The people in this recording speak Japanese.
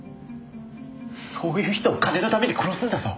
そういう人を金のために殺すんだぞ？